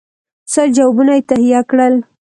سل جوابونه یې تهیه کړل.